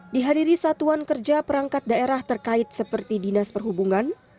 dihadiri satuan kerja perangkat daerah terkait seperti dinas perhubungan